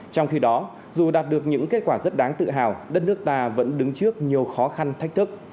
trong khi đó dù đạt được những kết quả rất đáng tự hào đất nước ta vẫn đứng trước nhiều khó khăn thách thức